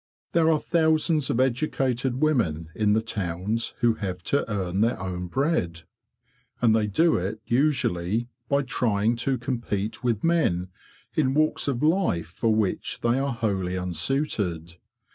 There are thousands of educated women in the 37. 38 THE BEE MASTER OF WARRILOW towns who have to earn their own bread; and they do it usually by trying to compete with men in walks of life for which they are wholly unsuited.